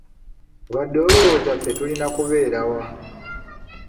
Obadde olowooza ffe tulina kubeera wa?